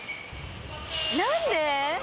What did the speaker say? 何で？